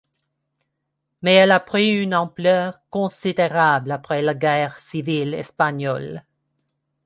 Mais elle a pris une ampleur considérable après la guerre civile espagnole.